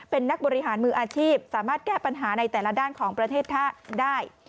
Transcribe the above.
เป็นนักบริหารมืออาชีพสามารถแก้ปัญหาในแต่ละด้านของประเทศได้